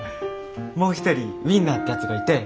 もう一人ウインナーってやつがいて。